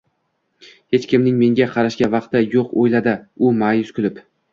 Hech kimning menga qarashga vaqti yo`q o`yladi u, ma`yus kulib